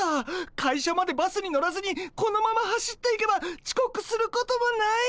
会社までバスに乗らずにこのまま走っていけばちこくすることもない！